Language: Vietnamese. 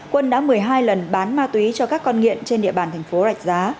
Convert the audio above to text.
quân đã một mươi hai lần bán ma túy cho các con nghiện trên địa bàn thành phố rạch giá